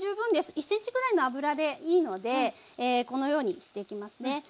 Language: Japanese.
１ｃｍぐらいの油でいいのでこのようにしていきますね。